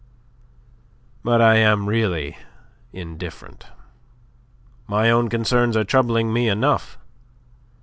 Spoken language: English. But I am really indifferent. My own concerns are troubling me enough.